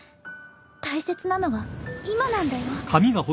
大切なのは今なんだよ。